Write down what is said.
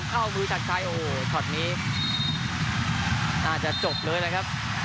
เข้ามือชัดชัยโอ้โหช็อตนี้น่าจะจบเลยนะครับ